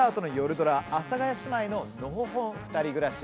ドラ「阿佐ヶ谷姉妹ののほほんふたり暮らし」。